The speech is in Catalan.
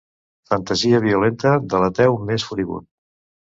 Fantasia violenta de l'ateu més furibund.